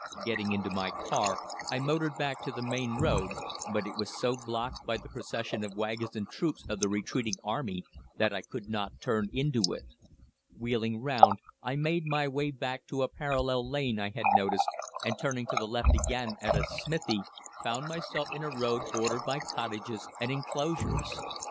Getting into my car I motored back to the main road, but it was so blocked by the procession of waggons and troops of the retreating army that I could not turn into it. Wheeling round I made my way back to a parallel lane I had noticed, and turning to the left again at a smithy, found myself in a road bordered by cottages and enclosures.